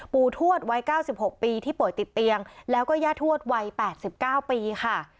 ทวดวัย๙๖ปีที่ป่วยติดเตียงแล้วก็ย่าทวดวัย๘๙ปีค่ะ